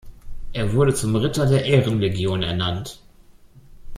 Er wurde zum Ritter der Ehrenlegion ernannt.